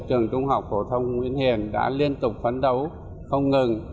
trường trung học phổ thông nguyễn hiền đã liên tục phấn đấu không ngừng